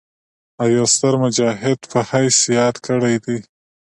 او يو ستر مجاهد پۀ حييث ياد کړي دي